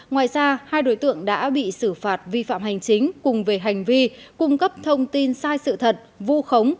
ngoài ra hai đối tượng đã bị xử phạt vi phạm hành chính cùng về hành vi cung cấp thông tin sai sự thật vu khống